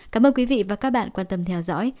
cảm ơn quý vị và các bạn quan tâm theo dõi